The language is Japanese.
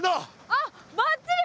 あっばっちり！